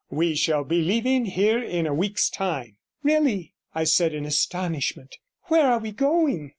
'We shall be leaving here in a week's time.' 'Really!' I said in astonishment. 'Where are we going?'